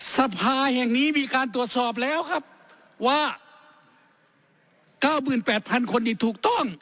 สภาแห่งนี้มีการตรวจสอบแล้วครับว่า๙๘๐๐คนนี่ถูกต้อง